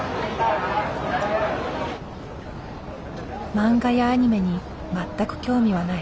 漫画やアニメに全く興味はない。